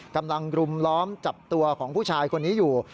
รุมล้อมจับตัวของผู้ชายคนนี้อยู่